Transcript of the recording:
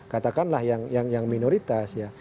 katakanlah yang minoritas itu